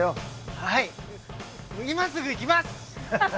はい今すぐ行きます！